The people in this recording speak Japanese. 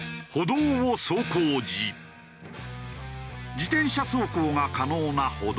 自転車走行が可能な歩道。